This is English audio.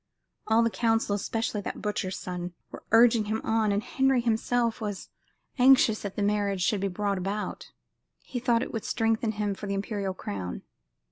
All the council, especially that butcher's son, were urging him on, and Henry himself was anxious that the marriage should be brought about. He thought it would strengthen him for the imperial crown.